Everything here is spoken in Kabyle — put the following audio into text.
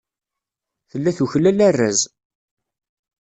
Tella tuklal arraz.